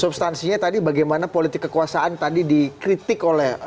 substansinya tadi bagaimana politik kekuasaan tadi dikritik oleh